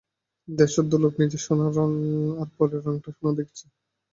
দেশসুদ্ধ লোক নিজের সোনা রাঙ, আর পরের রাঙটা সোনা দেখছে।